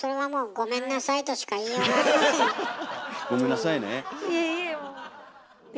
ごめんなさいね。